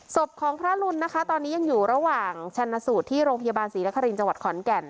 ศพของพระรุนนะคะตอนนี้ยังอยู่ระหว่างชันสูตรที่โรงพยาบาลศรีนครินทร์จังหวัดขอนแก่น